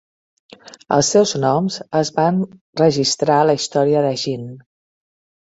Els seus noms es van registrar a la "Història de Jin".